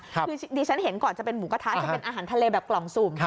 คือดิฉันเห็นก่อนจะเป็นหมูกระทะจะเป็นอาหารทะเลแบบกล่องสุ่ม